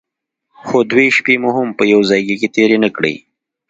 خو دوې شپې مو هم په يوه ځايگي کښې تېرې نه کړې.